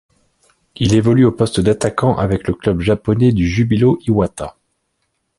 Il évolue au poste d'attaquant avec le club japonais du Júbilo Iwata.